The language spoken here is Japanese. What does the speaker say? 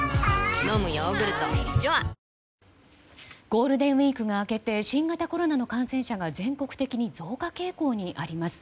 ゴールデンウィークが明けて新型コロナの感染者が全国的に増加傾向にあります。